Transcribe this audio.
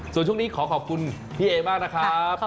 ส่วนช่วงนี้ขอขอบคุณพี่เอมากนะครับ